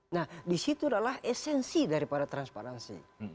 nah disitu adalah esensi daripada transparansi